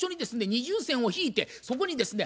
二重線を引いてそこにですね